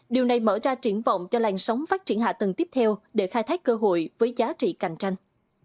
điều này mở ra triển vọng cho làn sóng phát triển hạ tầng tiếp theo để khai thác cơ hội với giá trị cạnh tranh